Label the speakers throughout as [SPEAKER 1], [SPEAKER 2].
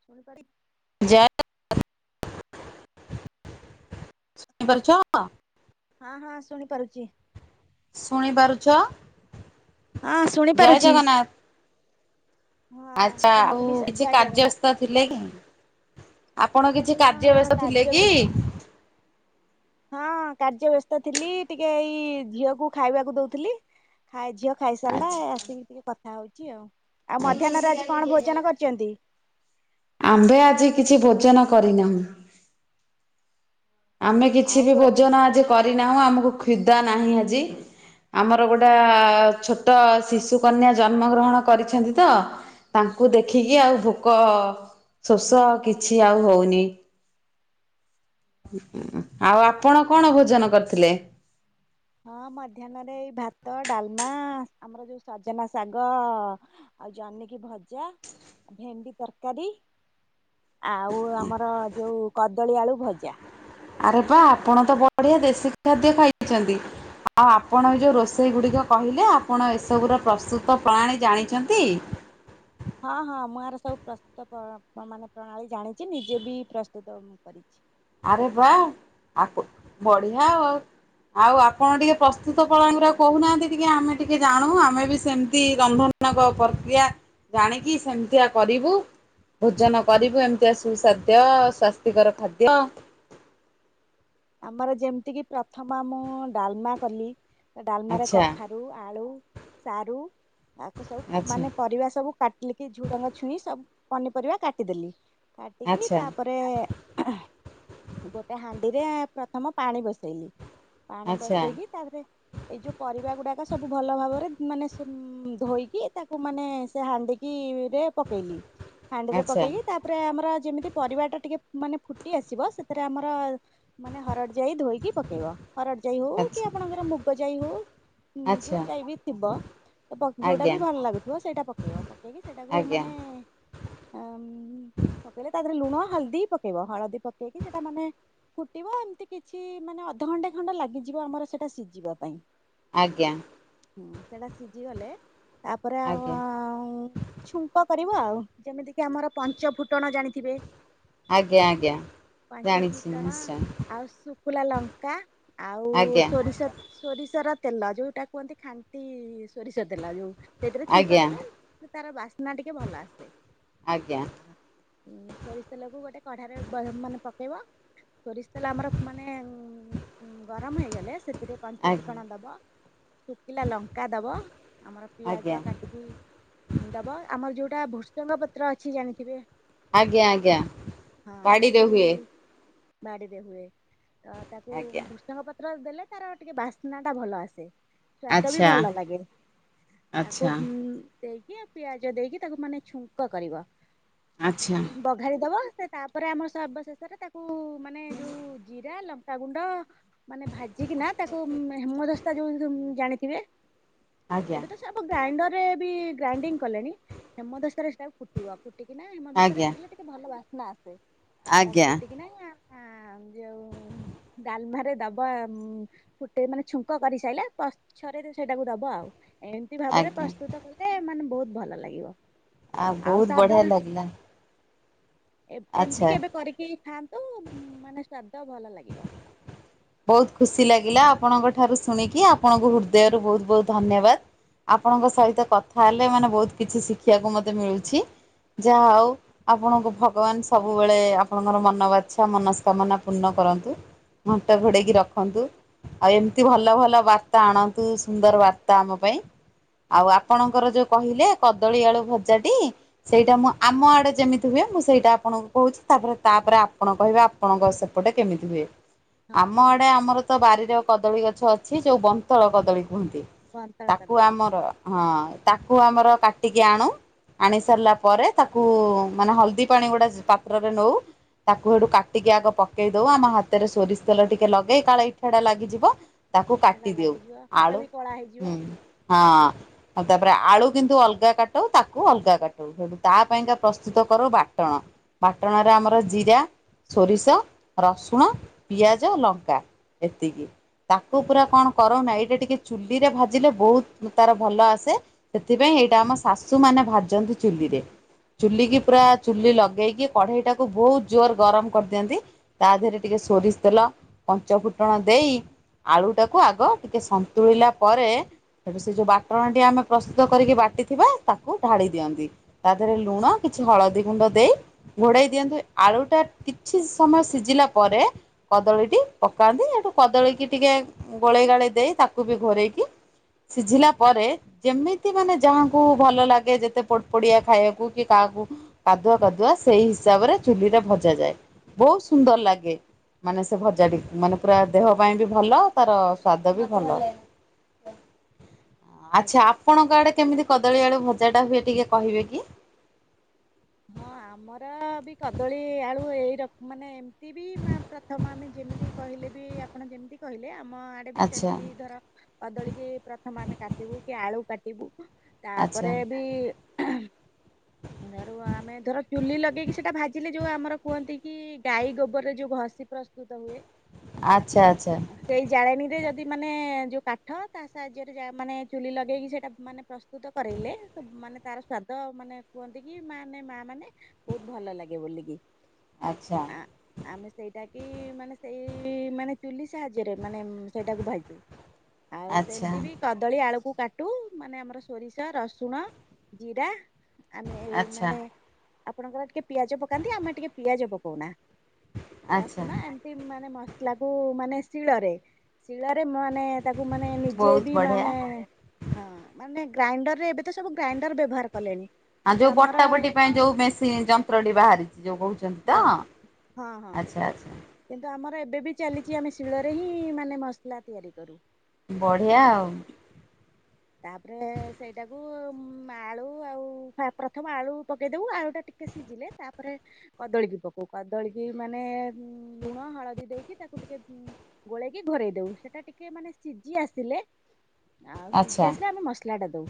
[SPEAKER 1] [unintelligible]
[SPEAKER 2] ଯାଅ ଶୁଣି ପାରୁଛ ଅପା?
[SPEAKER 1] ହଁ ହଁ ଶୁଣିପାରୁଛି।
[SPEAKER 2] ଶୁଣିପାରୁଛ?
[SPEAKER 1] ହଁ ଶୁଣି
[SPEAKER 2] ଜୟ
[SPEAKER 1] ପାରୁଛି।
[SPEAKER 2] ଜଗନ୍ନାଥ। ଆଚ୍ଛା ଆଉ କିଛି
[SPEAKER 1] ଜୟ ଜଗନ୍ନାଥ
[SPEAKER 2] କାର୍ଯ୍ୟସ୍ତ ଥିଲେ ଆପଣ କିଛି
[SPEAKER 1] ହଁ
[SPEAKER 2] କାର୍ଯ୍ୟ
[SPEAKER 1] ହଁ
[SPEAKER 2] ବେସ୍ତ ଥିଲେ
[SPEAKER 1] କାର୍ଯ୍ୟ
[SPEAKER 2] କି?
[SPEAKER 1] ହଁ କାର୍ଯ୍ୟ ବ୍ୟସ୍ତ ଥିଲି ଟିକେ ଏଇ ଝିଅକୁ ଖାଇବାକୁ ଦଉଥିଲି। ଖାଇ ଝିଅ ଖାଇସାରିଲା
[SPEAKER 2] ଆଚ୍ଛା
[SPEAKER 1] ଆସିକି ଟିକେ କଥା ହେଉଛି ଆଉ ଆଉ
[SPEAKER 2] ଆଚ୍ଛା।
[SPEAKER 1] ମଧ୍ୟାହ୍ନରେ ଆଜି କଣ ଭୋଜନ କରିଛନ୍ତି?
[SPEAKER 2] ଆମ୍ଭେ ଆଜି କିଛି ଭୋଜନ କରିନାହୁଁ। ଆମେ କିଛି
[SPEAKER 1] ଆଉ
[SPEAKER 2] ବି
[SPEAKER 1] ରୋ
[SPEAKER 2] ଭୋଜନ ଆଜି କରିନାହୁଁ, ଆମକୁ କ୍ଷୁଦା ନାହିଁ ଆଜି। ଆମର ଗୋଟେ ଛୋଟ ଶିଶୁକନ୍ୟା ଜନ୍ମଗ୍ରହଣ କରିଛନ୍ତି ତ। ତାଙ୍କୁ ଦେଖିକି ଆଉ ଭୋକ ଶୋଷ କିଛି ଆଉ ହଉନି। ଆଉ ଆପଣ କଣ ଭୋଜନ କରିଥିଲେ?
[SPEAKER 1] ହଁ ମଧ୍ୟାହ୍ନରେ ଏଇ ଭାତ, ଡାଲମା ଆମର ଯୋଉ ସଜନା ଶାଗ ଆଉ ଜହନିକି ଭଜା ଭେଣ୍ଡି ତରକାରୀ। ଆଉ ଆମର ଯୋଉ କଦଳୀ, ଆଳୁ ଭଜା।
[SPEAKER 2] ଆରେ ବା ଆପଣ ତ ବଢିଆ ଦେଶୀ ଖାଦ୍ୟ ଖାଇଛନ୍ତି। ଆଉ ଆପଣ ଏ ଯେଉଁ ରୋଷେଇ ଗୁଡ଼ିକ କହିଲେ ଆପଣ ଏସବୁର ପ୍ରସ୍ତୁତ ପ୍ରଣାଳି ଜାଣିଛନ୍ତି?
[SPEAKER 1] ହଁ ହଁ ମୁଁ ଆର ସବୁ ପ୍ରସ୍ତୁତ ମାନେ ପ୍ରଣାଳୀ ଜାଣିଛି ନିଜେ ବି ପ୍ରସ୍ତୁତ ମୁଁ କରିଛି।
[SPEAKER 2] ଆରେ ବା ଆ ବଢିଆ ଆଉ। ଆଉ ଆପଣ ଟିକେ ପ୍ରସ୍ତୁତ ପ୍ରଣାଳୀ ଟା ଆଉ କହୁନାହାନ୍ତି ଟିକେ ଆମେ ଟିକେ ଜାଣୁ ଆମେ ବି ସେମିତି ରନ୍ଧନ [unintelligible] ପ୍ରକ୍ରିୟା ଜାଣିକି ସେମିତିଆ କରିବୁ। ଭୋଜନ କରିବୁ ଏମିତିଆ ସୁସାଦ୍ୟ ସ୍ଵାସ୍ତିକର ଖାଦ୍ୟ।
[SPEAKER 1] ଆମର ଯେମିତି କିି ପ୍ରଥମ ମୁଁ ଡାଲମା କଲି ଡାଲମାରେ
[SPEAKER 2] ଆଚ୍ଛା
[SPEAKER 1] କଖାରୁ ଆଳୁ, ସାରୁ ତାକୁ ସବୁ
[SPEAKER 2] ଆଚ୍ଛା
[SPEAKER 1] ମାନେ ପରିବା ସବୁ ଝୁଡ଼ଙ୍ଗ, ଛୁଇଁ ସବୁ ପନିପରିବା କାଟିଦେଲି। କାଟିକି
[SPEAKER 2] ଆଚ୍ଛା
[SPEAKER 1] ତାପରେ ଗୋଟେ ହାଣ୍ଡିରେ ପ୍ରଥମ ପାଣି ବସେଇଲି ପାଣି
[SPEAKER 2] ଆଚ୍ଛା
[SPEAKER 1] ବସେଇକି ତାପରେ ଏଇ ଯୋଉ ପରିବା ଗୁଡାକ ସବୁ ଭଲ ଭାବରେ ମାନେ ସେ ଧୋଇକି ତାକୁ ମାନେ ସେ ହାଣ୍ଡିିକି କି ରେ ପକେଇଲି। ହାଣ୍ଡିରେ
[SPEAKER 2] ଆଚ୍ଛା
[SPEAKER 1] ପକେଇକି ତାପରେ ଆମର ଯେମିତି ପରିବା ଟା ଟିକେ ମାନେ ଫୁଟି ଆସିବ ସେଥିରେ ଆମର ମାନେ ହରଡ ଜାଇ ଧୋଇକି ପକେଇବ। ହରଡ ଯାଇ ହଉ କି
[SPEAKER 2] ଆଚ୍ଛା
[SPEAKER 1] ଆପଣଙ୍କର ମୁଗ ଜାଇ ହଉ। ହୁଁ
[SPEAKER 2] ଆଚ୍ଛା
[SPEAKER 1] ଯୋଉ ଜାଇବି ଥିବ। ତ ପଖ୍ ଯୋଉଟା
[SPEAKER 2] ଆଜ୍ଞା।
[SPEAKER 1] ବି ଭଲ ଲାଗୁଥିବ ସେଇଟା ପକେଇବ ପକେଇକି ସେଇଟାକୁ
[SPEAKER 2] ଆଜ୍ଞା
[SPEAKER 1] ମାନେ ଏମ୍‌ ପକେଇଲେ ତା ଦେହରେ ଲୁଣ ହଳଦୀ ପକେଇବ ହଳଦୀ ପକେଇକି ସେଇଟା ମାନେ ଫୁଟିବ ଏମିତି କିଛି ମାନେ ଅଧଘଣ୍ଟେ ଖଣ୍ଡେ ଲାଗିଯିବ ଆମର ସେଇଟା ସିଜିବା ପାଇଁ।
[SPEAKER 2] ଆଜ୍ଞା।
[SPEAKER 1] ହୁଁ ସେଟା ସିଜିଗଲେ ତାପରେ ଆଉ
[SPEAKER 2] ଆଜ୍ଞା
[SPEAKER 1] ଆଉ ଛୁଙ୍କ କରିବ ଆଉ ଯେମିତି କିି ଆମର ପଞ୍ଚଫୁଟଣ ଜାଣିଥିବେ।
[SPEAKER 2] ଆଜ୍ଞା ଆଜ୍ଞା
[SPEAKER 1] ପାଞ୍ଚ
[SPEAKER 2] ଜାଣିଛି।
[SPEAKER 1] ଫୁଟଣ
[SPEAKER 2] ନିଶ୍ଚୟ
[SPEAKER 1] ଆଉ ଶୁକୁଲା ଲଙ୍କା ଆଉ
[SPEAKER 2] ଆଜ୍ଞା
[SPEAKER 1] ସୋରିଷ। ସୋରିଷର ତେଲ ଯୋଉଟା କୁହନ୍ତି ଖାଣ୍ଟି ସୋରିଷ ତେଲ ଯୋଉ ସେଥିରେ ଛୁଙ୍କ
[SPEAKER 2] ଆଜ୍ଞା
[SPEAKER 1] ଦେଲେ ତାର ବାସ୍ନା ଟିକେ ଭଲ ଆସେ।
[SPEAKER 2] ଆଜ୍ଞା
[SPEAKER 1] ଉଁ ସୋରିଷ ତେଲକୁ ଗୋଟେ କଢ଼ାରେ ବହେ ମାନେ ପକେଇବ ସୋରିଷ ତେଲ ଆମର ମାନେ ଉଁ ଗରମ ହେଇଗଲେ ସେଥିରେ
[SPEAKER 2] ଆଜ୍ଞା
[SPEAKER 1] ପଞ୍ଚଫୁଟଣ ଦବ ଶୁଖିଲା ଲଙ୍କା ଦବ ଆମର
[SPEAKER 2] ଆଜ୍ଞା
[SPEAKER 1] ପିଆଜ କାଟି କି ଦବ ଆମର ଯୋଉଟା ଭୃସଙ୍ଗ ପତ୍ର ଅଛି ଜାଣିଥିବେ?
[SPEAKER 2] ଆଜ୍ଞା ଆଜ୍ଞା ବାଡ଼ିରେ ହୁଏ।
[SPEAKER 1] ବାଡ଼ିରେ ହୁଏ ତ ତାକୁ
[SPEAKER 2] ଆଜ୍ଞା
[SPEAKER 1] ଭୃସଙ୍ଗ ପତ୍ର ଦେଲେ ତାର ଟିକେ ବାସ୍ନାଟା ଭଲ ଆସେ। ସ୍ଵାଦ ବି
[SPEAKER 2] ଆଚ୍ଛା
[SPEAKER 1] ଭଲ ଲାଗେ ତାକୁ
[SPEAKER 2] ଆଚ୍ଛା
[SPEAKER 1] ହୁଁ ସେଇ ଆ ପିଆଜ ଦେଇକି ତାକୁ ମାନେ ଛୁଙ୍କ କରିବ
[SPEAKER 2] ଆଚ୍ଛା
[SPEAKER 1] ବ୍ ଢାଳିଦବ ସେ ତାପରେ ଆମର ସର୍ବଶେଷରେ ତାକୁ ମାନେ ଯୋଉ ଜିରା ଲ ଲଙ୍କାଗୁଣ୍ଡ ମାନେ ଭାଜିକିନା ତାକୁ ହେମଦସ୍ତା ଯୋଉ ଜାଣିଥିବେ।
[SPEAKER 2] ଆଜ୍ଞା
[SPEAKER 1] ଏବେତ ସବୁ ଗ୍ରାଇଣ୍ଡର ରେ ବି ଗ୍ରାଇଣ୍ଡିଙ୍ଗ କଲେଣି ହେମଦସ୍ତାରେ ସେଇଟା ଫୁଟିବ। ଫୁଟିକିନା ହେମଦସ୍ତାରେ
[SPEAKER 2] ଆଜ୍ଞା
[SPEAKER 1] ଫୁଟିଲେ ଟିକେ ଭଲ ବାସ୍ନା ଆସେ ତ
[SPEAKER 2] ଆଜ୍ଞା
[SPEAKER 1] ଫୁଟିକିନା ଆଁ ଯୋଉଁ ଡାଲମାରେ ଦବ ଆ ଉଁ ଫୁଟେଇ ମାନେ ଛୁଙ୍କ କରି ସାଇଲା ପଛରେ ସେଇଟାକୁ ଦବ ଆଉ। ଏନ୍ତି ଭାବରେ
[SPEAKER 2] ଆଜ୍ଞା
[SPEAKER 1] ପ୍ରସ୍ତୁତ କଲେ ମାନେ ବୋହୁତ ଭଲ ଲାଗିବ।
[SPEAKER 2] ଆ ବୋହୁତ ବଢିଆ ଲାଗିଲା।
[SPEAKER 1] ଏବ ଏମିତି
[SPEAKER 2] ଆଚ୍ଛା
[SPEAKER 1] କେବେ କରିକି ଖାଆନ୍ତୁ ମାନେ ସ୍ଵାଦ ଭଲ ଲାଗିବ।
[SPEAKER 2] ବୋହୁତ ଖୁସି ଲାଗିଲା ଆପଣଙ୍କ ଠାରୁ ଶୁଣିକି ଆପଣଙ୍କୁ ହୃଦୟରୁ ବୋହୁତ ବୋହୁତ ଧନ୍ୟବାଦ। ଆପଣଙ୍କ ସହିତ କଥା ହେଲେ ମାନେ ବୋହୁତ କିଛି ଶିଖିବାକୁ ମତେ ମିଳୁଛି ଯାହା ହଉ। ଆପଣଙ୍କୁ ଭଗବାନ ସବୁବେଳେ ଆପଣଙ୍କର ମନବାଚ୍ଛା ମନସ୍କାମନା ପୂର୍ଣ୍ଣ କରନ୍ତୁ। ତ ଘୋଡ଼େଇକି ରଖନ୍ତୁ। ଆଉ ଏମିତି ଭଲ ଭଲ ବାର୍ତ୍ତା ଆଣନ୍ତୁ ସୁନ୍ଦର ବାର୍ତ୍ତା ଆମ ପାଇଁ। ଆଉ ଆପଣଙ୍କର ଯୋଉ କହିଲେ କଦଳୀ ଆଳୁ ଭଜା ଟି ସେଇଟା ମୁଁ
[SPEAKER 1] ହଁ
[SPEAKER 2] ଆମ ଆଡେ ଯେମିତି ହୁଏ ମୁଁ ସେଇଟା ଆପଣଙ୍କୁ କୋହୁଛି ତାପରେ ତାପରେ ଆପଣ କହିବେ ଆପଣଙ୍କ ସେପଟେ କେମିତି ହୁଏ।
[SPEAKER 1] ହଁ
[SPEAKER 2] ଆମ ଆଡେ
[SPEAKER 1] କୁହନ୍ତୁ
[SPEAKER 2] ଆମର ତ ବାରିର କଦଳୀ ଗଛ ଅଛି ଯୋଉ ବନ୍ତଳ କଦଳୀ କୁହନ୍ତି।
[SPEAKER 1] ବନ୍ତଳ
[SPEAKER 2] ତାକୁ
[SPEAKER 1] କରିଦ
[SPEAKER 2] ଆମର ହଁ ତାକୁ ଆମର କାଟିକି ଆଣୁ ଆଣି ସାରିଲା ପରେ ତାକୁ ମାନେ ହଳଦୀ ପାଣିଗୁଡ଼ା ପାତ୍ରରେ ନୋଉ ତାକୁ ହେଟୁ କାଟିକି ଆଗ ପକେଇ ଦଉ ଆମ ହାତରେ ସୋରିଷ ତେଲ ଟିକେ ଲଗେଇ କାଳେ ଇଠାଟା ଲାଗିଯିବ ତାକୁ
[SPEAKER 1] ପିଠାଟା
[SPEAKER 2] କାଟି ଦିଓଉ
[SPEAKER 1] ଲାଗିଯିବ ହାତ
[SPEAKER 2] ଆଳୁ
[SPEAKER 1] ବି କଳା ହେଇଯିବ
[SPEAKER 2] ହୁଁ। ହଁ ଆଉ ତାପରେ ଆଳୁ କିନ୍ତୁ ଅଲଗା କାଟାଉ ତାକୁ ଅଲଗା କାଟାଉ। ତା ପାଇଁକା ପ୍ରସ୍ତୁତ କରୁ ବାଟଣ ବାଟଣରେ ଆମର ଜିରା ସୋରିଷ, ରସୁଣ, ପିଆଜ, ଲଙ୍କା ଏତିକି। ତାକୁ ପୁରା କଣ କରନା ଏଇଟା ଟିକେ ଚୁଲି ରେ ଭାଜିଲେ ବୋହୁତ ତାର ଭଲ ଆସେ। ସେଥିପାଇଁ ଏଇଟା ଆମ ଶାଶୁ ମାନେ ଭାଜନ୍ତି ଚୁଲିରେ। ଚୁଲିକି ପୁରା ଚୁଲି ଲଗେଇକି କଢେଇ ଟାକୁ ବୋହୁତ ଜୋର ଗରମ କରିଦିଅନ୍ତି ତା ଦେହରେ ଟିକେ ସୋରିଷ ତେଲ ପଞ୍ଚ ଫୁଟଣ ଦେଇ ଆଳୁ ଟାକୁ ଆଗ ଟିକେ ସନ୍ତୁଳିଲା ପରେ ଠୁ ସେ ଯୋଉ ବାଟଣଟି ଆମେ ପ୍ରସ୍ତୁତ କରିକି ବାଟିଥିବା ତାକୁ ଢାଳି ଦିଅନ୍ତି ତା ଦେହରେ
[SPEAKER 1] ଆଜ୍ଞା
[SPEAKER 2] ଲୁଣ କିଛି ହଳଦୀ ଗୁଣ୍ଡ ଦେଇ ଘୋଡ଼ାଇ ଦିଅନ୍ତୁ ଆଳୁଟା କିଛି ସମୟ ସିଝିଲା ପରେ କଦଳୀଟି ପକାନ୍ତି ସେଠୁ କଦଳୀିକି ଟିକେ ଗୋଳେଇ ଗାଳେଇ ଦେଇ ତାକୁ ବି ଘୋଡେଇକି ସିଝିଲା ପରେ ଯେମିତି ମାନେ ଯାହାଙ୍କୁ ଭଲ ଲାଗେ ଯେତେ ପଡିଆ ଖାଇବାକୁ କି କାହାକୁ କାଦୁଆ କାଦୁଆ ସେଇ ହିସାବରେ ଚୁଲିରେ ଭଜା ଯାଏ ବହୁତ ସୁନ୍ଦର ଲାଗେ। ମାନେ ସେ ଭଜା ଟ ମାନେ ପୁରା ଦେହ ପାଇଁ ବି ଭଲ ତାର ସ୍ଵାଦ ବି ଭଲ। ଆଚ୍ଛା
[SPEAKER 1] ଆଜ୍ଞା।
[SPEAKER 2] ଆପଣଙ୍କ ଆଡେ କେମିତି କଦଳୀ ଆଳୁ ଭଜା ଟା ହୁଏ ଟିକେ କହିବେ କି?
[SPEAKER 1] ହଁ ଆମ୍ ଆମର ବି କଦଳୀ ଆଳୁ ଏଇ ର ମାନେ ଏମିତି ବି ପ୍ରଥମ ଆମେ ଯେମିତି କହିଲେ ବି ଆପ୍ ଆପଣ ଯେମିତି କହିଲେ ଆମ ଆ ଟ ବି
[SPEAKER 2] ଆଚ୍ଛା
[SPEAKER 1] ସେମିତି ଧର କଦଳୀକି ପ୍ରଥମ ଆମେ କାଟିବୁ କି ଆଳୁ କାଟିବୁ।
[SPEAKER 2] ଆଚ୍ଛା
[SPEAKER 1] ତାପରେ ବି ଆଉ ଆମେ ଧର ଚୁଲି ଲଗେଇକି ସେଇଟା ଭାଜିଲେ ଯୋଉ ଆମର କୁହନ୍ତି କି ଗାଈ ଗୋବରରେ ଯୋଉ ଘଷି ପ୍ରସ୍ତୁତ ହୁଏ।
[SPEAKER 2] ଆଛା ଆଛା।
[SPEAKER 1] ସେଇ ଜାଳେଣୀ ରେ ଯଦି ମାନେ ଯୋଉ କାଠ ତା ସାହାଯ୍ୟରେ ଯ ମାନେ ଚୁଲି ଲଗେଇକି ସେଇଟା ମାନେ ପ୍ରସ୍ତୁ ତୁତ କରେଇଲେ ସେ ମାନେ ତାର ସ୍ଵାଦ ମାନେ କୁହନ୍ତି ଇ ମାନେ ମା ମାନେ ବହୁତ ଭଲ ଲାଗେ ବୋଲିକି।
[SPEAKER 2] ଆଚ୍ଛା।
[SPEAKER 1] ଆ ଆମେ ସେଇଟା କି ମାନେ ସେଇ ମାନେ ଚୁଲି ସାହାଯ୍ୟରେ ମାନେ ସେଇଟାକୁ ଭାଯୁ।
[SPEAKER 2] [inaudible]
[SPEAKER 1] ଆଉ
[SPEAKER 2] ଆଚ୍ଛା
[SPEAKER 1] ସେମିତି ବି କଦ୍ ଦଳି ଆଳୁକୁ କାଟୁ ମାନେ ଆମର ସୋରିଷ, ରସୁଣ, ଜିରା ଆମେ ଏଇ
[SPEAKER 2] ଆଚ୍ଛା
[SPEAKER 1] ମାନେ ଆପଣଙ୍କର ଟିକେ ପିଆଜ ପକାନ୍ତି ଆମେ ଟିକେ ପିଆଜ ପକଉନା।
[SPEAKER 2] ଆଚ୍ଛା
[SPEAKER 1] ରସୁନା ଏମତି ମାନେ ମସଲା କୁ ମାନେ ଶୀଳରେ। ଶିଳରେ ମାନେ ତାକୁ ମାନେ ନିଜେ
[SPEAKER 2] ବହୁତ
[SPEAKER 1] ବି
[SPEAKER 2] ବଢ଼ିଆ।
[SPEAKER 1] ମାନେ ହଁ ମାନେ ଗ୍ରାଇଣ୍ଡର ରେ ଏବେ ତ ସବୁ ଗ୍ରାଇଣ୍ଡର ବ୍ୟବହାର କଲେଣି।
[SPEAKER 2] ଆଁ
[SPEAKER 1] କିନ୍ତୁ
[SPEAKER 2] ଯୋଉ
[SPEAKER 1] ଆମର
[SPEAKER 2] ବଟା ବଟି ପାଇଁ ଯୋଉ ମେସିନ୍ ଯନ୍ତ୍ରଟି ବାହାରିଛି ଯୋଉ କହୁଛନ୍ତି ତ?
[SPEAKER 1] ହଁ ହଁ
[SPEAKER 2] ଆଚ୍ଛା ଆଚ୍ଛା।
[SPEAKER 1] କିନ୍ତୁ ଆମର ଏବେ ବି ଚାଲିଛି ଆମେ ଶିଳରେ ହିଁ ମାନେ ମସଲା ତିଆରି କରୁ।
[SPEAKER 2] ବଢ଼ିଆ ଆଉ।
[SPEAKER 1] ତାପରେ ସେଇଟାକୁ ଆଳୁ ଆଉ ପ୍ରଥମ ଆଳୁ ପକେଇଦବୁ ଆଳୁ ଟିକେ ସିଝିଲେ ତା ତାପରେ କଦଳୀ କି ପକଉ କଦଳୀ କିି ମାନେ ଲୁଣ ହଳଦୀ ଦେଇକି ତାକୁ ଟିକେ ଗୋଳେଇକି ଘୋରେଇ ଦଉ ସେଟା ଟିକେ ମାନେ ସିଝି ଆସିଲେ ଆ ସିଝି
[SPEAKER 2] ଆଚ୍ଛା
[SPEAKER 1] ଆସିଲେ ଆମେ ମସଲାଟା ଦଉ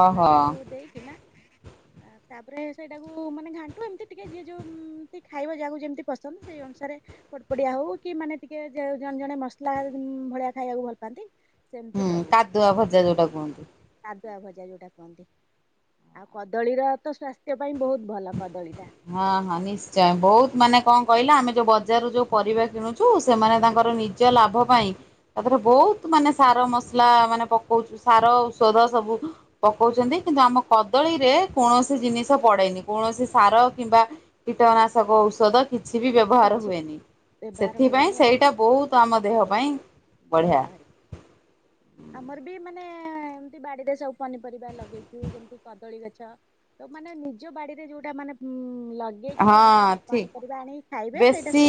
[SPEAKER 2] ଓହୋ
[SPEAKER 1] ଦେଇକିନା
[SPEAKER 2] [unintelligible]
[SPEAKER 1] ଆ ତାପରେ ସେଇଟାକୁ ମାନେ ଘାଣ୍ଟୁ ଏମିତି ଟିକେ ଯିଏ ଯେଉଁ ମ୍ ତି ଖାଇବା ଯାହାକୁ ଯେମିତି ପସନ୍ଦ ସେଇ ଅନୁସାରେ ପୋଡ଼ପଡିଆ ହଉ କି ମାନେ ଟିକେ ଜଣେ ଜଣେ ମସଲା ଭଳିଆ ଖାଇବାକୁ ଭଲ ପାଆନ୍ତି। ସେମିତି କରୁ।
[SPEAKER 2] ଦୁଆ ଭଜା ଯଉଟା କୁହନ୍
[SPEAKER 1] କାଦୁଆ ଭଜା ଯଉଟା କୁହନ୍ତି। ଆଉ କଦଳୀର ତ ସ୍ୱାସ୍ଥ୍ୟ ପାଇଁ ବହୁତ ଭଲ କଦଳୀ ଟା।
[SPEAKER 2] ହଁ ହଁ ନିଶ୍ଚୟ ବହୁତ ମାନେ କଣ କହିଲା ଆମେ ଯୋଉ ବଜାରରୁ ଯୋଉ ପରିବା କିଣୁଛୁ ସେମାନେ ତାଙ୍କର ନି ଜ ଲାଭ ପାଇଁ ତାଥରେ ବହୁତ ମାନେ ସାର ମସଲା ମାନେ ପକଉଚୁ ସାର ଔଷଧ ସବୁ ପକଉଛନ୍ତି କିନ୍ତୁ ଆମ କଦଳୀରେ କୌଣସି ଜିନିଷ ପଡେନି। କୌଣସି ସାର କିମ୍ବା କୀଟନାଶକ ଔଷଧ କିଛି ବି ବ୍ୟବହାର
[SPEAKER 1] କିଛି
[SPEAKER 2] ହୁଏନି
[SPEAKER 1] ବ୍ୟବହାର
[SPEAKER 2] ସେଥିପାଇଁ
[SPEAKER 1] ହୁଏନି ଆଉ
[SPEAKER 2] ସେଇଟା ବହୁତ ଆମ ଦେହ ପାଇଁ ବଢିଆ
[SPEAKER 1] ଭଲ। ଆମର ବି ମାନେ ଏମତି ବାଡିରେ ସବୁ ପନିପରିବା ଲଗେଇଛୁ ଯେମିତି କଦଳୀ ଗଛ। ତ ମାନେ ନିଜ ବାଡିରେ ଯୋଉଟା ମାନେ ଉ ଲଗେଇକି
[SPEAKER 2] ହଁ
[SPEAKER 1] ସେଇଟା
[SPEAKER 2] ଠିକ
[SPEAKER 1] ପନିପରିବା ଆଣିି
[SPEAKER 2] ବେଶୀ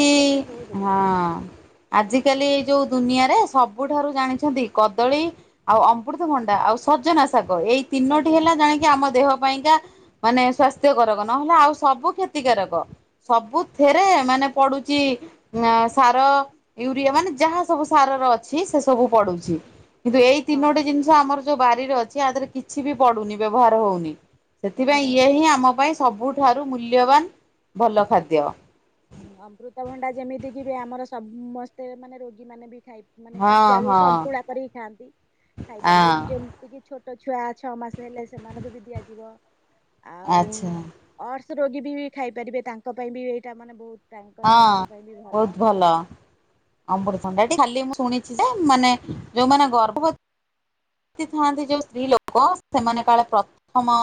[SPEAKER 2] ହଁ। ଆଜିକାଲି ଏଇ ଯୋଉ ଦୁନିଆରେ ସବୁଠାରୁ ଜାଣିଛନ୍ତି କଦଳୀ ଆଉ ଅମୃତଭଣ୍ଡା ଆଉ ସଜନା ଶାଗ ଏଇ ତିନୋଟି
[SPEAKER 1] ସଜନା
[SPEAKER 2] ହେଲା
[SPEAKER 1] ଶାଗ
[SPEAKER 2] ଜାଣକି ଆମ ଦେହ ପାଇଁକା ମାନେ ସ୍ୱାସ୍ଥ୍ୟ କରକ ନହେଲେ ଆଉ ସବୁ କ୍ଷତିକାରକ ସବୁ ଥରେ ମାନେ ପଡୁଛି ଅ ସାର, ୟୁରିଆ ମାନେ ଯାହା ସବୁ ସାରର ଅଛି ସେ ସବୁ ପଡୁଛି। କିନ୍ତୁ ଏଇ
[SPEAKER 1] ହଁ
[SPEAKER 2] ତିନୋଟି ଜିନିଷ ଆମର ଯୋଉ ବାରିରେ ଅଛି ଆ ଦେହରେ କିଛି ବି ପଡୁନି ବ୍ୟବହାର ହଉନି। ସେଥିପାଇଁ
[SPEAKER 1] ବ୍ୟବହାର
[SPEAKER 2] ଇଏ
[SPEAKER 1] ହଉନି
[SPEAKER 2] ହିଁ ଆମ ପାଇଁ ସବୁଠାରୁ ମୂଲ୍ୟବାନ ଭଲ ଖାଦ୍ୟ।
[SPEAKER 1] ଅମୃତଭଣ୍ଡା ଯେମିତିକି ବି ଆମର ସମସ୍ତେ ମାନେ ରୋଗୀମାନେ ବି ଖାଇ ମାନେ
[SPEAKER 2] ହଁ
[SPEAKER 1] ସିଝା ଯୋଉ
[SPEAKER 2] ହଁ
[SPEAKER 1] ସନ୍ତୁଳା କରିକି ଖାଆନ୍ତି
[SPEAKER 2] ଆଁ
[SPEAKER 1] ଖାଇପାରିବେ ଯେମିତି କିି ଛୋଟ ଛୁଆ ଛଅ ମାସ ହେଲେ ସେମାନଙ୍କୁ ବି ଦିଆଯିବ ଆଉ।
[SPEAKER 2] ଆଚ୍ଛା
[SPEAKER 1] ଅର୍ସ ରୋଗୀ ବି ଖାଇପାରିବେ ତାଙ୍କ ପାଇଁ ବି ଏଇଟା ମାନେ ବହୁତ୍
[SPEAKER 2] ହଁ ବହୁତ୍ ଭଲ। ଅମୃତ ଭଣ୍ଡା ଏଠି ଖାଲି ମୁଁ ଶୁଣିଛିି ଯେ ମାନେ ଯୋଉମାନେ ଗର୍ଭବତୀ ଏମତି ଥାନ୍ତି ଯୋଉ ସ୍ତ୍ରୀ ଲୋକ ସେମାନେ କାଳେ ପ୍ରଥମ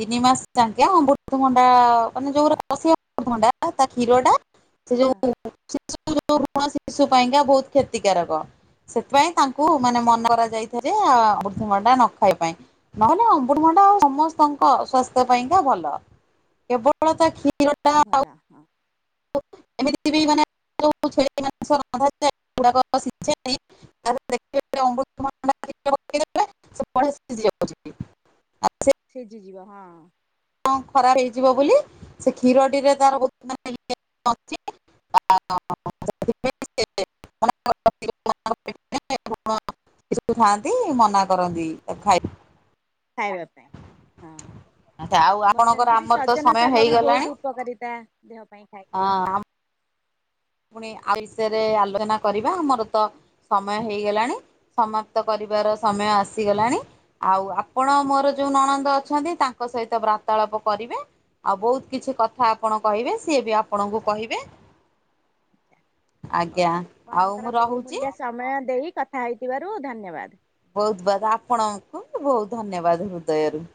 [SPEAKER 2] ତିନି ମାସ ଯଙ୍କେ ଅମ୍ବୃତ ଭଣ୍ଡା ମାନେ ଯୋଉ ଗୁରା କଷି ଅମ୍ବୃତାରଣ୍ଡା ତା କ୍ଷୀର ଟା ସେ
[SPEAKER 1] ହଁ
[SPEAKER 2] ଯୋଉ [unintelligible] କଅଁଳା ଶିଶୁ ପାଇଁକା ବହୁତ କ୍ଷତିକାର କ ସେଥିପାଇଁ ତାଙ୍କୁ ମାନେ
[SPEAKER 1] ହଁ
[SPEAKER 2] ମନ କରାଯାଇ ରେ ଆ ଅମୃତମଣ୍ଡା ନ ଖାଇବା ପାଇଁ ନହେଲେ ଅମୃତଭଣ୍ଡା ଆଉ ସମସ୍ତଙ୍କ ସ୍ୱାସ୍ଥ୍ୟ ପାଇଁ ସବୁ ପାଇକା ଭଲ କେବଳ କ୍ଷୀର [unintelligible]
[SPEAKER 1] ଭଲ ହଁ।
[SPEAKER 2] ଏମିତି ବି ମାନେ ଯୋଉ ଛେଳି ମାଂସ ରନ୍ଧା ଯାଏ ସେଗୁଡ଼ାକ ସିଝା ଯାଏ [unintelligible] ମ୍ବୃତା ଭଣ୍ଡା ସେପଟେ ଶିଝି ଯାଉଛି [unintelligible]
[SPEAKER 1] ସିଝି ଯିବ ହଁ।
[SPEAKER 2] କଣ ଖରାପ ହେଇଯିବ ବୋଲି ସେ କ୍ଷୀର ଟିରେ ତାର ବହୁତ୍ ମାନେ [unintelligible] [unintelligible] ଥାଆନ୍ତି ମନା କରନ୍ତି ତାକୁ ଖାଇ
[SPEAKER 1] ଖାଇବା ପାଇଁ। ହଁ
[SPEAKER 2] [inaudible] ଆଛା ଆଉ
[SPEAKER 1] ଆମର ସେମିତି
[SPEAKER 2] ଆପଣଙ୍କର
[SPEAKER 1] ବି
[SPEAKER 2] ଆମର ତ
[SPEAKER 1] ସଜନା
[SPEAKER 2] ସମୟ
[SPEAKER 1] ଶାଗ ବି
[SPEAKER 2] ହେଇଗଲାଣି,
[SPEAKER 1] ବହୁତ ଉପକାରିତା ଦେହ ପାଇଁ ଖାଇଲେ।
[SPEAKER 2] ହଁ। ପୁଣି ଆଉ ବିଷୟରେ [unintelligible] ଆଲୋଚନା କରିବା ଆମର ତ ସମୟ ହେଇଗଲାଣି ସମାପ୍ତ କରିବାର ସମୟ ଆସିଗଲାଣି। ଆଉ ଆପଣ ମୋର ଯୋଉ ନଣନ୍ଦ ଅଛନ୍ତି ତାଙ୍କ ସହିତ ବାର୍ତାଳାପ କରିବେ। ଆଉ ବହୁତ୍ କିଛି କଥା ଆପଣ କହିବେ ସିଏ ବି ଆପଣଙ୍କୁ କହିବେ।
[SPEAKER 1] ହଉ
[SPEAKER 2] ଆଜ୍ଞା। ଆଉ
[SPEAKER 1] ଆପଣଙ୍କର
[SPEAKER 2] ମୁଁ ରହୁଛି
[SPEAKER 1] ବହୁମୂଲ୍ୟ ସମୟ ଦେଇ କଥା ହେଥିବାରୁ ଧନ୍ୟବାଦ୍।
[SPEAKER 2] ବହୁତ୍ ବହୁତ୍ ଆପଣଙ୍କୁ ବହୁତ ଧନ୍ୟବାଦ ହୃଦୟରୁ।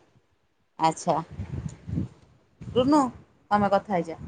[SPEAKER 2] ଆଛା ରୁନୁ ତମେ କଥା ହେଇଯା।